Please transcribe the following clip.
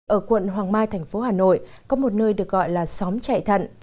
ở quận hoàng mai thành phố hà nội có một nơi được gọi là xóm chạy thận